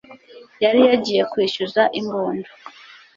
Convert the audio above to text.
Yari yagiye kwishyuza imbunda